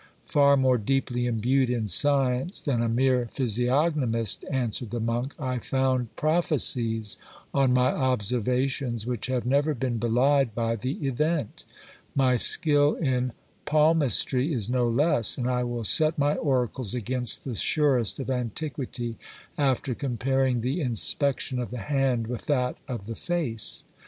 Far more deeply imbued in science than a mere physiognomist answered the monk, I found prophecies on my observations which have never been belied by the event. My skill in palmistry is no less, and I will set my oracles against the surest of antiquity, after comparing the inspection of the hand with that of the face.